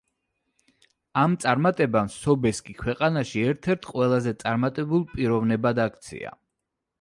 ამ წარმატებამ სობესკი ქვეყანაში ერთ-ერთ ყველაზე წარმატებულ პიროვნებად აქცია.